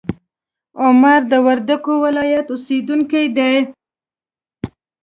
عمر د وردګو ولایت اوسیدونکی دی.